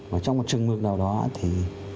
mà trong một trường mực nào đó thì